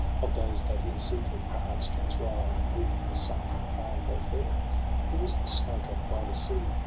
Of those that in secret the heart strings rive, Leaving her sunk and pale, though fair. * Who is this snowdrop by the sea?